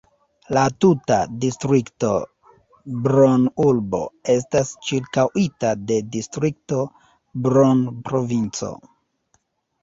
La tuta distrikto Brno-urbo estas ĉirkaŭita de distrikto Brno-provinco.